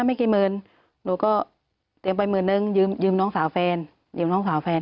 ไม่กี่หมื่นหนูก็เตรียมไปหมื่นนึงยืมยืมน้องสาวแฟนยืมน้องสาวแฟน